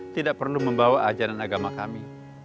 tidak perlu membawa ajaran agama kami